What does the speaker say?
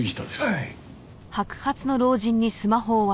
はい。